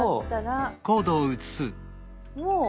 もう。